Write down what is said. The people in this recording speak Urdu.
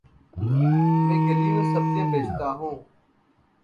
میں گلیوں میں سبزیاں بیچتا ہوں